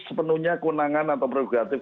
sepenuhnya kenangan atau prerogatif